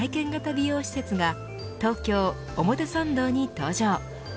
美容施設が東京、表参道に登場。